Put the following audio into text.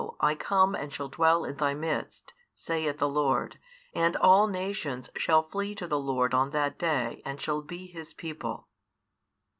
I come and shall dwell in thy midst, saith the Lord, and all nations shall flee to the Lord on that day and shall be His people.